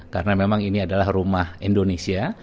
karena memang ini adalah rumah indonesia